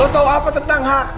lo tau apa tentang hak